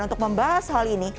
untuk membahas hal ini